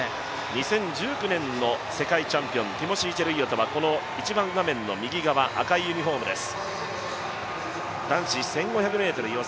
２０１９年の世界チャンピオン、ティモシー・チェルイヨトは画面の右側赤いユニフォームです。